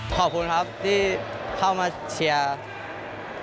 ขอบคุณครับที่เข้ามาเชียร์